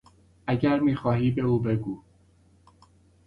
اگر میخواهی به او بگو.